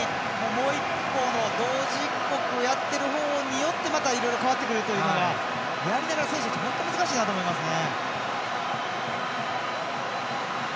もう一方の同時刻やってる方によってまたいろいろ変わってくるというのはやりながら選手たち本当に難しいなと思いますね。